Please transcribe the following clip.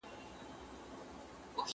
چې سپوږمۍ وه،